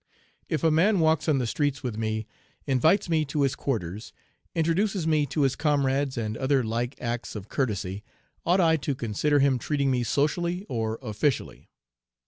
"* *If a man walks on the streets with me, invites me to his quarters, introduces me to his comrades, and other like acts of courtesy, ought I to consider him treating me socially or officially?